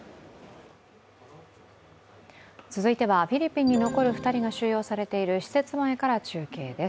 続いてはフィリピンに残る２人が収容されている施設前から中継です。